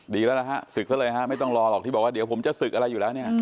ดีแล้วนะฮะศึกซะเลยฮะไม่ต้องรอหรอกที่บอกว่าเดี๋ยวผมจะศึกอะไรอยู่แล้วเนี่ย